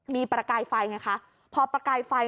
มีประกายไฟไงคะพอประกายไฟ